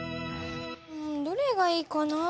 うんどれがいいかな？